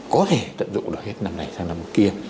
có thể tận dụng được hết năm này sang năm kia